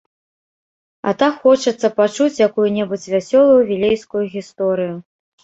А так хочацца пачуць якую-небудзь вясёлую вілейскую гісторыю!